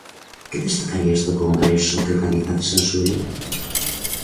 Que destacarías do Congreso que organizades en xullo?